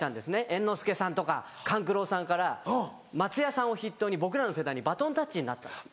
猿之助さんとか勘九郎さんから松也さんを筆頭に僕らの世代にバトンタッチになったんです。